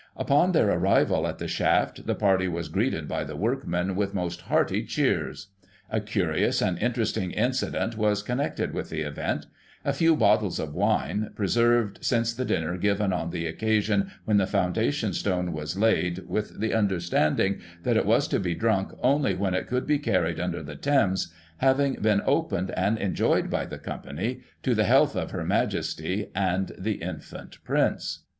Upon their arrival at the shaft, the party was greeted by the workmen with most hearty cheers. A curious and interesting incident was connected with the event ; a few bottles of wine, preserved since the dinner given on the occasion when the foundation stone was laid, with the understanding that it was to be drunk only when it could be carried under the Thames, having been opened and en joyed by the company, to the health of Her Majesty and the infant Prince.